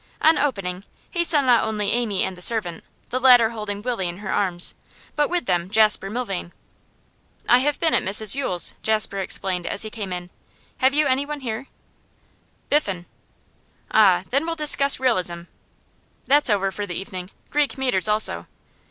On opening he saw not only Amy and the servant, the latter holding Willie in her arms, but with them Jasper Milvain. 'I have been at Mrs Yule's,' Jasper explained as he came in. 'Have you anyone here?' 'Biffen.' 'Ah, then we'll discuss realism.' 'That's over for the evening. Greek metres also.